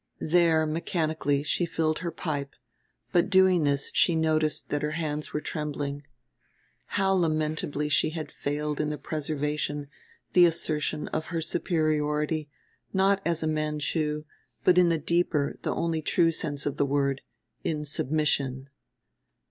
There mechanically she filled her pipe; but doing this she noticed that her hands were trembling. How lamentably she had failed in the preservation, the assertion, of her superiority, not as a Manchu, but in the deeper, the only true sense of the word in submission.